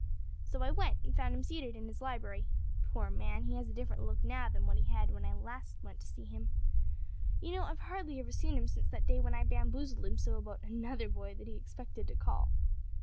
So I went, and found him seated in his library. Poor man, he has a different look now from what he had when I went last to see him. You know I have hardly ever seen him since that day when I bamboozled him so about `another boy' that he expected to call.